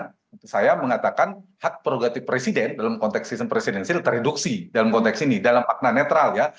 karena realitasnya saya mengatakan hak prerogatif presiden dalam konteks sistem presidensil tereduksi dalam konteks ini dalam makna netral ya